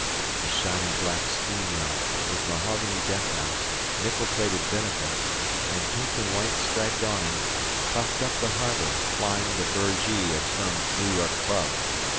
A shiny black steam yacht, with mahogany deck house, nickel plated binnacles, and pink and white striped awnings puffed up the harbour, flying the burgee of some New York club.